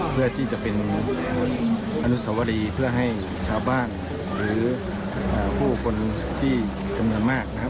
เพื่อที่จะเป็นอนุสวรีเพื่อให้ชาวบ้านหรือผู้คนที่จำนวนมากนะครับ